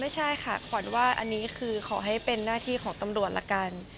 ค่ะขวัญว่าอันนี้คือขอให้เป็นหน้าที่ของตำรวจละกัน